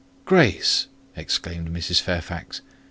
"Grace!" exclaimed Mrs. Fairfax.